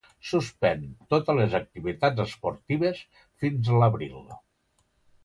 Suspèn totes les activitats esportives fins l'abril.